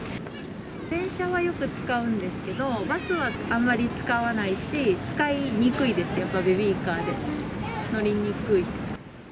電車はよく使うんですけど、バスはあんまり使わないし、使いにくいです、やっぱりベビーカーで乗りにくい。